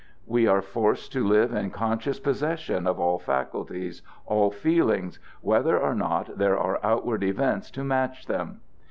We are forced to live in conscious possession of all faculties, all feelings, whether or not there are outward events to match them.